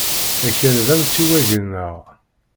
Akal d amtiweg-nneɣ.